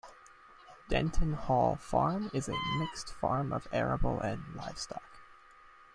Denton Hall Farm is a mixed farm of arable and livestock.